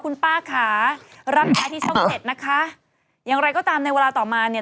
คุณป้าค่ะรับแท้ที่ช่องเจ็ดนะคะอย่างไรก็ตามในเวลาต่อมาเนี่ย